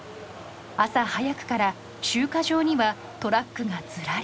朝早くから集荷場にはトラックがずらり。